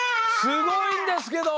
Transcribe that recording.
すごいんですけど！